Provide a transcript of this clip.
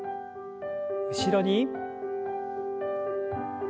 後ろに。